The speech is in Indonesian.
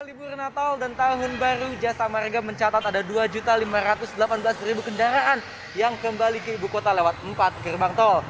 libur natal dan tahun baru jasa marga mencatat ada dua lima ratus delapan belas kendaraan yang kembali ke ibu kota lewat empat gerbang tol